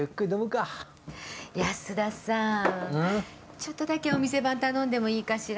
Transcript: ちょっとだけお店番頼んでもいいかしら？